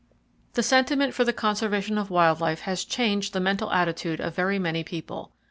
The sentiment for the conservation of wild life has changed the mental attitude of very many people.